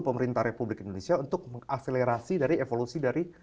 pemerintah republik indonesia untuk meng afilerasi dari evolusi dari